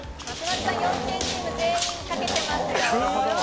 松丸さん、幼稚園チーム全員、書けてますよ。